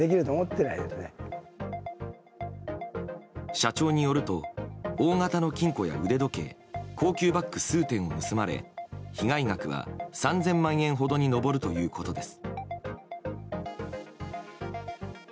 社長によると大型の金庫や腕時計、高級バッグ数点を盗まれ被害額は３０００万円ほどに上るということです。